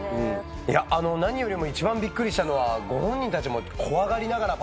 何よりも一番びっくりしたのはご本人たちも怖がりながらパフォーマンスしてた。